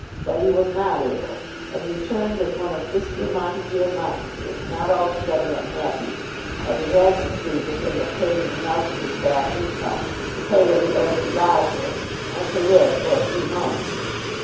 But he was not able, and returned as one of Fisker, Montague, and Montague, not altogether unhappy, as he had succeeded in obtaining enough of his back income to pay what he owed to Roger, and to live for a few months.